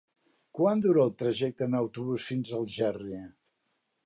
Quant dura el trajecte en autobús fins a Algerri?